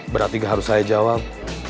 berarti gak harus saya jawab